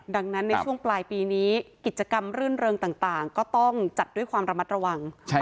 ดังนั้นในช่วงปลายปีนี้กิจกรรมรื่นเริงต่างก็ต้องจัดด้วยความระมัดระวัง